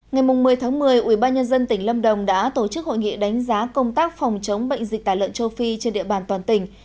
ngày một mươi một mươi ubnd tỉnh lâm đồng đã tổ chức hội nghị đánh giá công tác phòng chống bệnh dịch tả lợn châu phi trên địa bàn toàn tỉnh